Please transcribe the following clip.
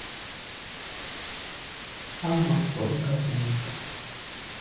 Á ma’ mbwe ngabnyàm.